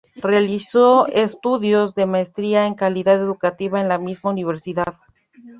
Realizó estudios de Maestría en Calidad Educativa en la misma universidad.